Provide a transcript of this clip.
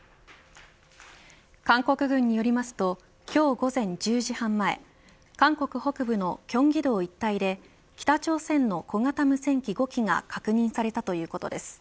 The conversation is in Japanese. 韓国軍によりますと今日午前１０時半前韓国北部の京畿道一帯で北朝鮮の小型無線機５機が確認されたということです。